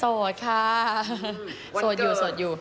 โสดค่ะโสดอยู่